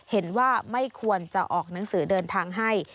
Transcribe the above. เห็นว่าไม่ควรจะออกหนังสือเดินทางให้